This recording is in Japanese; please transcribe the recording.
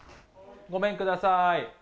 ごめんください。